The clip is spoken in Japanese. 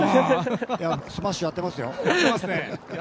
スマッシュやってますよ。